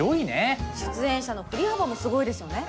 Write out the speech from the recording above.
出演者の振り幅もすごいですよね。